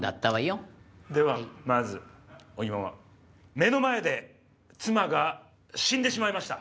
目の前で妻が死んでしまいました。